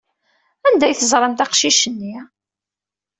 Anda ay teẓramt aqcic-nni?